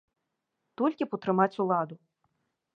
Толькі б утрымаць уладу.